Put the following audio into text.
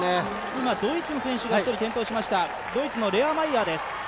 今、ドイツの選手が１人点灯しました、ドイツのレア・マイヤーです。